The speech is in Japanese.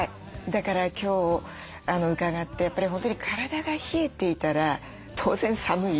だから今日伺ってやっぱり本当に体が冷えていたら当然寒い。